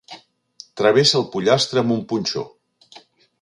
Travessa el pollastre amb un punxó.